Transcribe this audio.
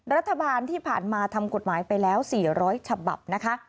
รัฐบาลที่ผ่านมาทำกฎหมายไปแล้ว๔๐๐ฉบับนะคะ